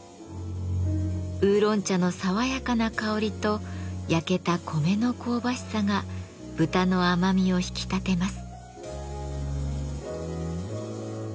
ウーロン茶の爽やかな香りと焼けた米の香ばしさが豚の甘みを引き立てます。